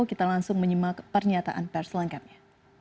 kita langsung menyimak pernyataan pers lengkapnya